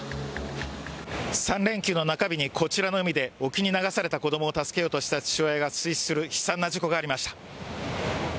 ３連休の中日にこちらの海で子どもを助けようとした父親が水死する悲惨な事故がありました。